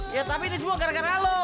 ya tapi ini semua gara gara halo